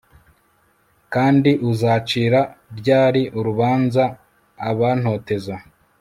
kandi uzacira ryari urubanza abantoteza